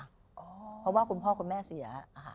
เพราะว่าคุณพ่อคุณแม่เสีย